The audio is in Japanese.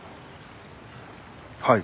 はい。